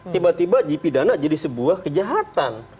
tiba tiba dipidana jadi sebuah kejahatan